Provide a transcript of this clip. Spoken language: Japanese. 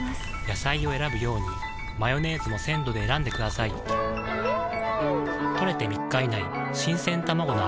野菜を選ぶようにマヨネーズも鮮度で選んでくださいん！